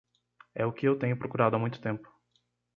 É o que eu tenho procurado há muito tempo.